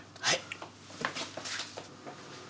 はい！